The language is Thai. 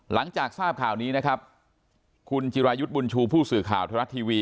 หลังจากทราบข่าวนี้นะครับคุณจิรายุทธ์บุญชูผู้สื่อข่าวไทยรัฐทีวี